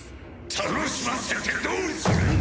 楽しませてどうする！